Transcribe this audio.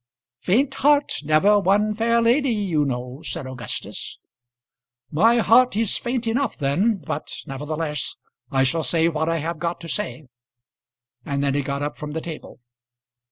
"Faint heart never won fair lady, you know," said Augustus. "My heart is faint enough then; but nevertheless I shall say what I have got to say." And then he got up from the table.